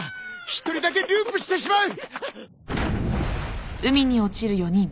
一人だけループしてしまう！